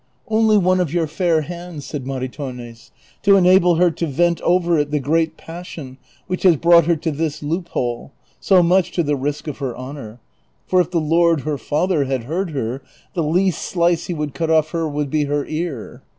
" Only one of your fair hands," said Maritornes, " to enable her to vent over it the great passion which has brought her to this loophole, so much to the risk of her honor ; for if the lord her father had heard her, the least slice he would cut off her would be her ear."